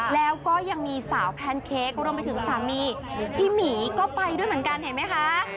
แล้วก็ยังมีสาวแพนเค้กรวมไปถึงสามีพี่หมีก็ไปด้วยเหมือนกันเห็นไหมคะ